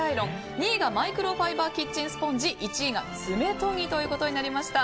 ２位がマイクロファイバーキッチンスポンジ１位が爪とぎとなりました。